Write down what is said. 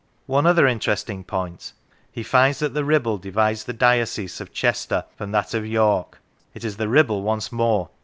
One other interesting point : he finds that the Kibble divides the diocese of Chester from that of York (it is the Kibble once more